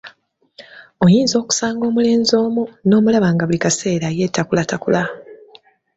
Oyinza okusanga omulenzi omu nomulaba nga buli kaseera yeetakulatakula.